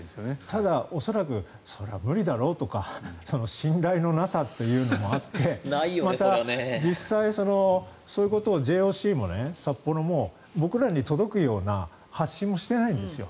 ただ、恐らくそれは無理だろうとか信頼のなさというのもあって実際、そういうことをＪＯＣも札幌も僕らに届くような発信もしてないんですよ。